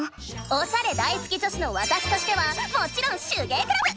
おしゃれ大好き女子のわたしとしてはもちろん手芸クラブ！